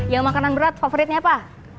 yang makanan berat favoritnya apa